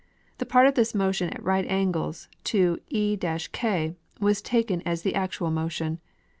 The part of this motion at right angles to E K was taken as the actual motion.